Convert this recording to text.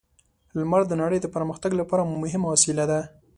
لمر د نړۍ د پرمختګ لپاره مهمه وسیله ده.